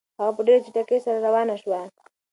هغه په ډېرې چټکۍ سره روانه شوه.